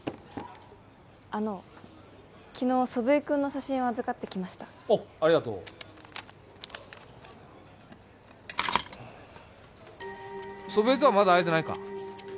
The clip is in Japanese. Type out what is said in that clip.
あの昨日祖父江君の写真を預かってきましたおっありがとう祖父江とはまだ会えてないか？